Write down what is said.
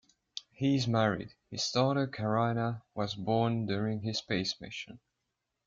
He is married, his daughter Carina was born during his space mission.